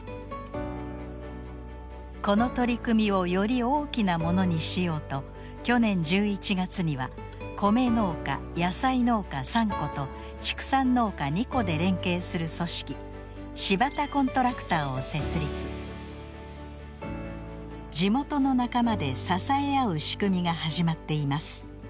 この取り組みをより大きなものにしようと去年１１月にはコメ農家野菜農家３戸と畜産農家２戸で連携する組織地元の仲間で支え合う仕組みが始まっています。